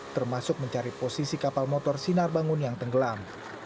termasuk mencari posisi kapal motor sinar bangun yang tenggelam